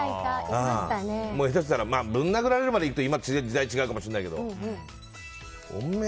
下手したらぶん殴られるまでいったら今、時代が違うかもしれないけどおめえ、